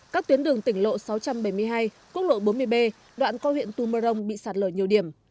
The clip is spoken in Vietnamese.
các tuyến đường tỉnh lộ sáu trăm bảy mươi hai quốc lộ bốn mươi b đoạn coi huyện tum mơ rông bị sạt lở nhiều điểm